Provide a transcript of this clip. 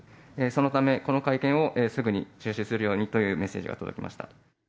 そのため、この会見をすぐに中止するようにというメッセージが届きました。